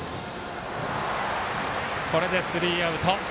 これでスリーアウト。